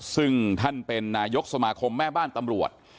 ซึ่งท่านเป็นนายกสมาคมแม่บ้านตำรวจ